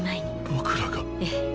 僕らが？ええ。